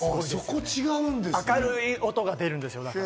明るい音が出るんですよ。